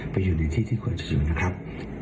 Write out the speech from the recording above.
ไปอยู่ในที่ที่ควรจะเชื่อนะครับ